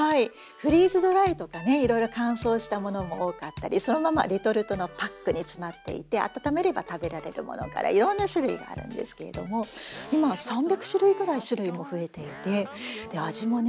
フリーズドライとかねいろいろ乾燥したものも多かったりそのままレトルトのパックに詰まっていて温めれば食べられるものからいろんな種類があるんですけれども今は３００種類ぐらい種類も増えていて味もね